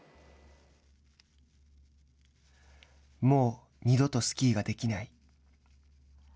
もう二度とスキーができない。